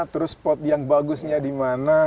terus spot yang bagusnya di mana